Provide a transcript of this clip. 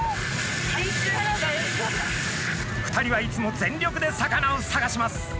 ２人はいつも全力で魚を探します。